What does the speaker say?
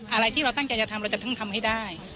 อะไรที่เราตั้งใจจะทำเราจะต้องทำให้ได้